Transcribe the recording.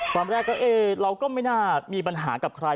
ตอนแรกก็เอ๊ะเราก็ไม่น่ามีปัญหากับใคร